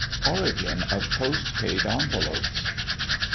ORIGIN OF POST PAID ENVELOPES.